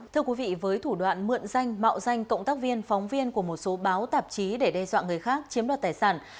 thưa quý vị với thủ đoạn mượn danh mạo danh cộng tác viên phóng viên của một số báo tạp chí để đe dọa người khác chiếm đoạt tài sản